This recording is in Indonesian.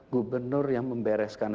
gubernur yang membereskan